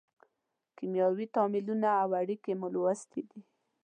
کیمیاوي تعاملونه او اړیکې مو لوستې دي.